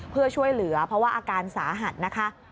เพื่อช่วยเหลือเพราะว่าอาการสาหัสนะคะ